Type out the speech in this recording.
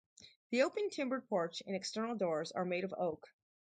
The open timbered porch and external doors are made of oak.